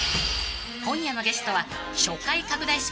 ［今夜のゲストは初回拡大